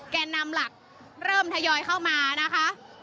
แก่นำหลักเริ่มทยอยเข้ามานะคะ